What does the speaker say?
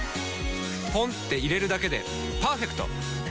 ポンって入れるだけでパーフェクト！